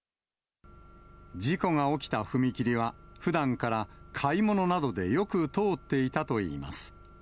事故が起きた踏切は、ふだんから買い物などでよく通っていたといいます。